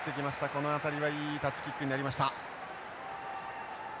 この辺りはいいタッチキックになりました。